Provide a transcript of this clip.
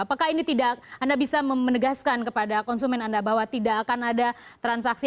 apakah ini tidak anda bisa menegaskan kepada konsumen anda bahwa tidak akan ada transaksi